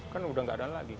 kan udah nggak ada lagi